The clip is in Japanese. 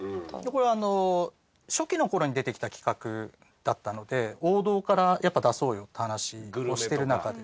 これ初期の頃に出てきた企画だったので王道からやっぱ出そうよって話をしてる中で。